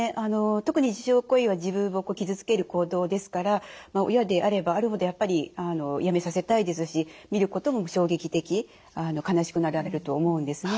特に自傷行為は自分を傷つける行動ですから親であればあるほどやっぱりやめさせたいですし見ることも衝撃的悲しくなられると思うんですね。